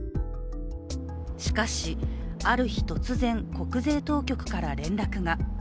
しかし、ある日突然、国税当局から連絡が。